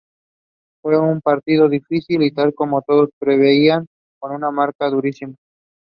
The interior canal is approximately wide.